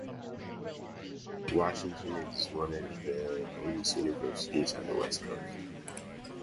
Washington is one of the oldest universities on the West Coast.